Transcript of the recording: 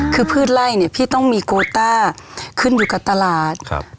คือพืชไล่พี่ต้องมีโกต้าขึ้นอยู่กับตลาด